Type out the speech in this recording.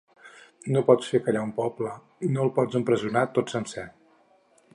No pots fer callar un poble, no el pots empresonar tot sencer.